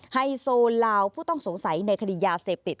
ไฮโซลาวผู้ต้องสงสัยในคดียาเสพติด